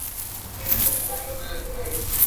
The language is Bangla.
সঠিক সময়ে সব সাজিয়ে তোমাকে এটা দেওয়ার ব্যবস্থা করব।